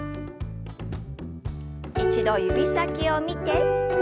一度指先を見て。